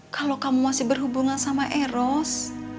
kalau kamu masih berhubungan sama eros